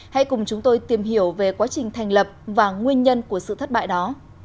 hãy cùng chúng tôi tìm hiểu về quá trình thành lập và nguyên nhân của sự thất bại đó